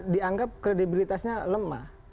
dianggap kredibilitasnya lemah